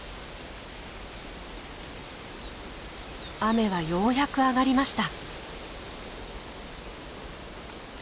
雨はようやく上がりました。